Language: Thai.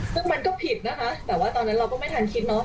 ซึ่งมันก็ผิดนะคะแต่ว่าตอนนั้นเราก็ไม่ทันคิดเนาะ